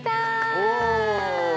お！